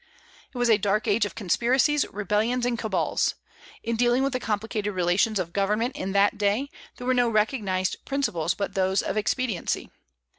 It was a dark age of conspiracies, rebellions, and cabals. In dealing with the complicated relations of government in that day, there were no recognized principles but those of expediency.